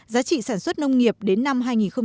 giá trị sản xuất nông nghiệp đến năm hai nghìn ba mươi